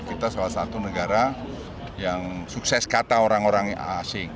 kita salah satu negara yang sukses kata orang orang asing